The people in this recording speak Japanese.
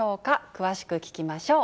詳しく聞きましょう。